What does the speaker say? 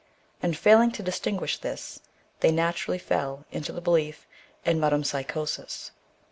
And failing to distinguish this, they naturally fell into the belief in metempsychosis.